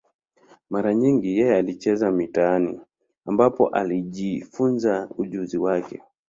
Mara nyingi yeye alicheza mitaani, ambapo alijifunza ujuzi wake.